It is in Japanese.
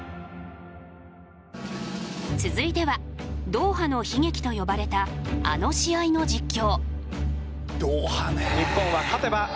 続いては「ドーハの悲劇」と呼ばれたあの試合の実況。